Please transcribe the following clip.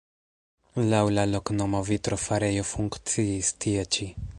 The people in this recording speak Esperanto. Laŭ la loknomo vitrofarejo funkciis tie ĉi.